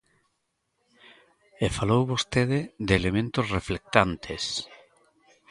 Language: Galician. E falou vostede de elementos reflectantes.